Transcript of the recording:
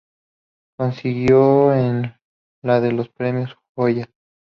Consiguió en la de los Premios Goya.